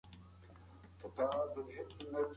ما هوډ کړی دی چې دا غلام له تا څخه په پیسو واخلم.